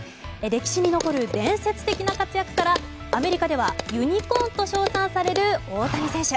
歴史に残る伝説的な活躍からアメリカではユニコーンと称賛される大谷選手。